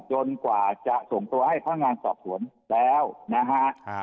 กว่าจะส่งตัวให้พนักงานสอบสวนแล้วนะฮะ